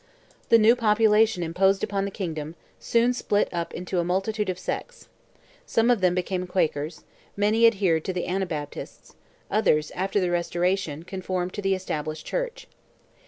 The new population imposed upon the kingdom, soon split up into a multitude of sects. Some of them became Quakers: many adhered to the Anabaptists; others, after the Restoration, conformed to the established church.